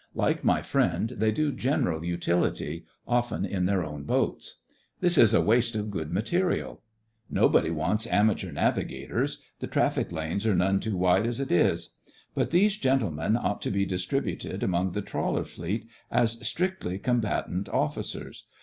Like my friend, they do general utility — often in their own boats. This is a waste of good material. Nobody wants amateur navigators — the traffic lanes are none too wide as it is. But these gentlemen ought to be distributed among the Trawler Fleet as strictly combatant officers.